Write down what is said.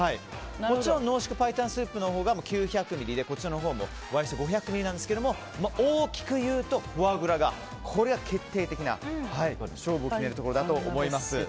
濃縮白湯スープのほうが９００ミリでフォアグラのほうも割り下５００ミリなんですが大きくいうとフォアグラが決定的な勝負を決めるところだと思います。